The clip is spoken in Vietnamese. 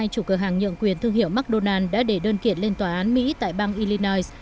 năm mươi hai chủ cửa hàng nhượng quyền thương hiệu mcdonald s đã để đơn kiện lên tòa án mỹ tại bang illinois